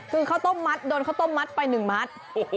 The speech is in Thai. คือเขาต้มมัดโดนเขาต้มมัดไปหนึ่งมัด